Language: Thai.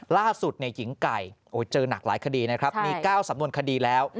ล่าสุดหญิงไก่เจอหนักหลายคดีนะครับมี๙สำนวนคดีแล้ว